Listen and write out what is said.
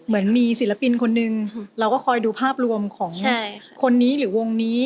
เหมือนมีศิลปินคนนึงเราก็คอยดูภาพรวมของคนนี้หรือวงนี้